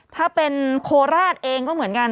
ถ้าเป็นโคราชเองก็เหมือนกัน